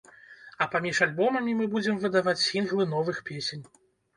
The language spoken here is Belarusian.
А паміж альбомамі мы будзем выдаваць сінглы новых песень.